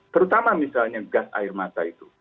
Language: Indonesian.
terutama misalnya gas air mata itu